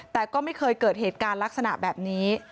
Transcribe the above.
แต่ก็ไม่เคยเกิดเหตุการณ์ลักษณะแบบนี้